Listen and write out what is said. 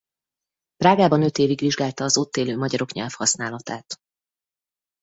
Prágában öt évig vizsgálta az ott élő magyarok nyelvhasználatát.